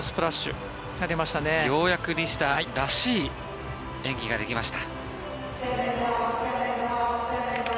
ようやく西田らしい演技ができました。